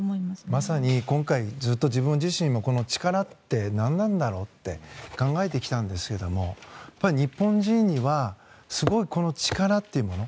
まさに今回ずっと自分自身も力って何なんだろうって考えてきたんですけど日本人にはすごい、この力というもの